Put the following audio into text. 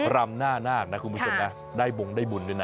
รำหน้านาคนะคุณผู้ชมนะได้บงได้บุญด้วยนะ